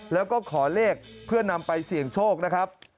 แล้วก็ขอเลขเพื่อนำไปเสี่ยงโชคนะครับ